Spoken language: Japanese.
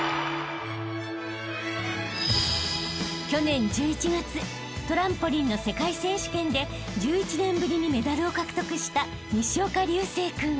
［去年１１月トランポリンの世界選手権で１１年ぶりにメダルを獲得した］